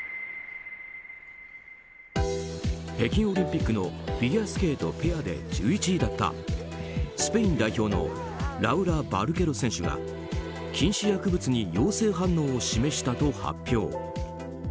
北京オリンピックのフィギュアスケートペアで１１位だったスペイン代表のラウラ・バルケロ選手が禁止薬物に陽性反応を示したと発表。